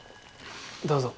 どうぞ。